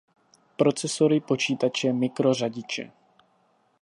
Procesory, počítače, mikrořadiče